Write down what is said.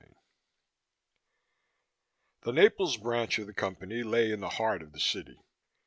II The Naples branch of the Company lay in the heart of the city.